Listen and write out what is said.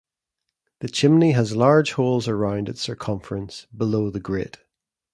The chimney has large holes around its circumference below the grate.